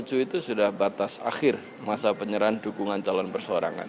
tujuh itu sudah batas akhir masa penyerahan dukungan calon persorangan